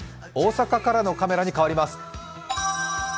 大阪からのカメラに変わります。